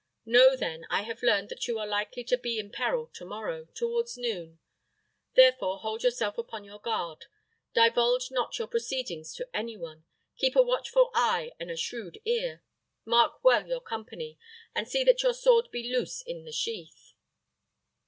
Know, then, I have learned that you are likely to be in peril to morrow, towards noon; therefore, hold yourself upon your guard. Divulge not your proceedings to any one. Keep a watchful eye and a shrewd ear. Mark well your company, and see that your sword be loose in the sheath."